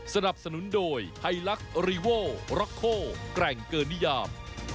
สนับสนุนโดยไฮลักษ์รีโวร็อกโคแกร่งเกินนิยาม